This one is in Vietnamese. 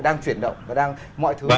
đang chuyển động và đang mọi thứ